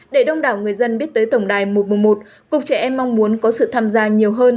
để đông đảo người dân biết tới tổng đài một trăm một mươi một cục trẻ em mong muốn có sự tham gia nhiều hơn